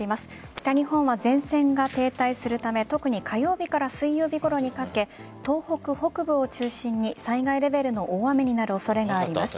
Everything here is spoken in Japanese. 北日本は前線が停滞するため特に火曜日から水曜日ごろにかけ東北北部を中心に災害レベルの大雨になる恐れがあります。